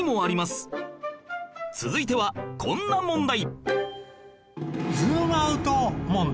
続いてはこんな問題